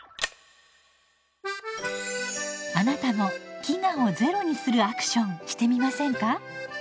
あなたも飢餓をゼロにするアクションしてみませんか？